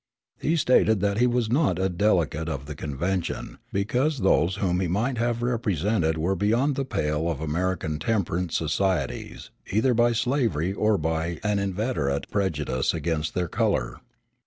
He stated that he was not a delegate to the convention, because those whom he might have represented were placed beyond the pale of American temperance societies either by slavery or by an inveterate prejudice against their color.